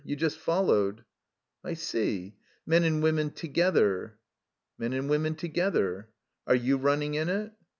You just followed. "'I see. Men and women together." "Men and women together." "Are you running in it?"